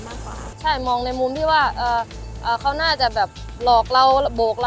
สวัสดีครับที่ได้รับความรักของคุณ